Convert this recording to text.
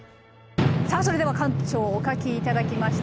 さあそれでは館長お書き頂きました。